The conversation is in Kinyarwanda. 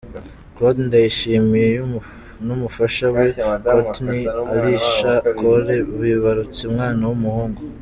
Claude Ndayishimiye n’umufasha we , Courtney Alisha Cole , bibarutse umwana w’umuhungu .